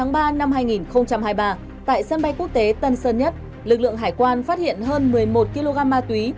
ngày một mươi sáu tháng ba năm hai nghìn hai mươi ba tại sân bay quốc tế tân sơn nhất lực lượng hải quan phát hiện hơn một mươi một kg ma túy